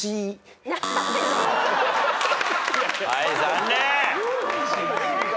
はい残念！